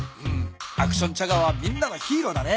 アクションチャガーはみんなのヒーローだね。